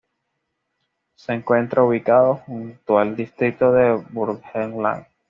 Se encuentra ubicado junto al distrito de Burgenland.